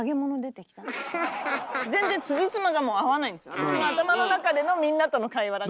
私の頭の中でのみんなとの会話だから。